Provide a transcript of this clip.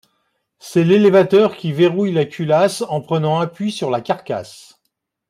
C'est l'élévateur qui verrouille la culasse en prenant appui sur la carcasse.